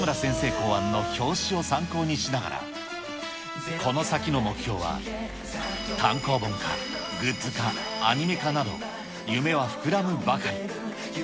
考案の表紙を参考にしながら、この先の目標は単行本化、グッズ化、アニメ化など、夢は膨らむばかり。